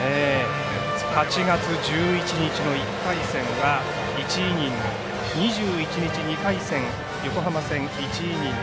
８月１１日の１回戦は１イニング２１日、２回戦横浜戦１イニング。